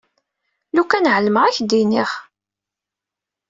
Lukan ɛelmeɣ, ad k-d-iniɣ.